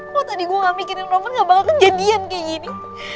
kok tadi gue gak mikirin roman gak bakal kejadian kayak gini